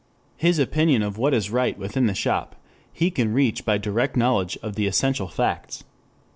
His opinion of what is right within the shop he can reach by direct knowledge of the essential facts.